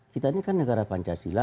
kita ini kan negara pancasila